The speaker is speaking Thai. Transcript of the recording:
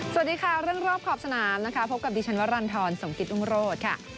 สวัสดีค่ะเรื่องรอบขอบสนามนะคะพบกับดิฉันวรรณฑรสมกิตรุงโรธค่ะ